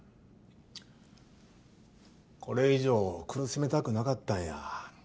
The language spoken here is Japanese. これ以上苦しめたくなかったんや島地を。